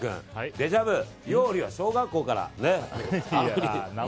デジャブ、料理は小学校から。